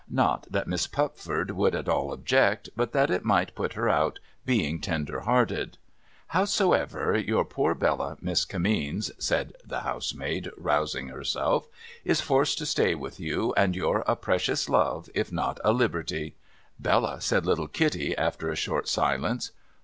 Not that Miss Pupford would at all object, but that it might put her out, being tender hearted. Hows' ever, your own poor Bella, Miss Kimmeens,' said the housemaid, rousing herself, ' is forced to stay with you, and you're a precious love, if not a liberty.' ' Bella,' said little Kitty, after a short silence.